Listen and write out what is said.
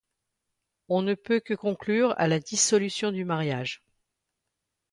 On ne peut que conclure à la dissolution du mariage.